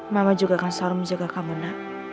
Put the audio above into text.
mama juga akan serem jaga kamu nak